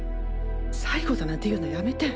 最後だなんて言うのはやめて。